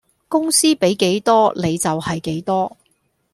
公司比幾多你就係幾多